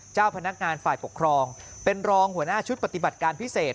เจ้าพนักงานฝ่ายปกครองเป็นรองหัวหน้าชุดปฏิบัติการพิเศษ